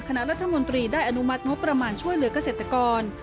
คณะรัฐมนตรีได้อนุมัติงบประมาณช่วยเหลือกเกษตรกร